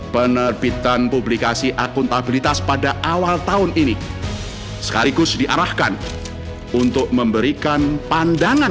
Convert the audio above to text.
penerbitan publikasi akuntabilitas pada awal tahun ini sekaligus diarahkan untuk memberikan pandangan